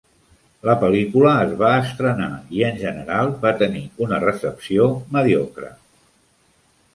La pel·lícula es va estrenar i, en general, va tenir una recepció mediocre.